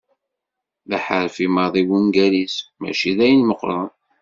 D aḥerfi maḍi wungal-is, mačči d ayen meqqren.